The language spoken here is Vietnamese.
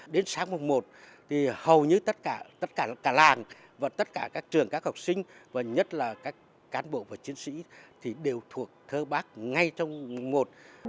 đến sáng mùa một hầu như tất cả làng tất cả các trường các học sinh và nhất là các cán bộ và chiến sĩ đều thuộc thơ bác ngay trong mùa một